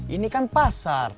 ini kan pasar